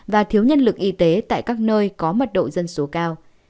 và thiếu nhân lực y tế tại các nơi có mật độ dân số cao